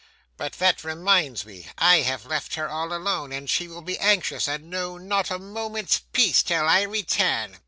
But that reminds me I have left her all alone, and she will be anxious and know not a moment's peace till I return.